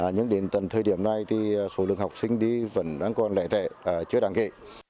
nhưng đến tận thời điểm này thì số lượng học sinh đi vẫn đang còn lệ tệ chưa đáng kể